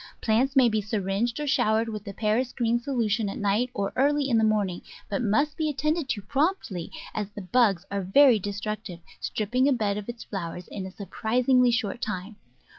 Plants may be syringed, or showered with the Paris green solution at night or early in the morning, but must be attended to promptly, as the bugs are very destructive, stripping a bed of its flow ers in a surprisingly short time.